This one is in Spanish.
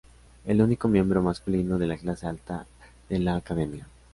El único miembro masculino de la clase alta de la academia.